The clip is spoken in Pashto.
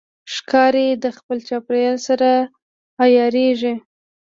ښکاري د خپل چاپېریال سره عیارېږي.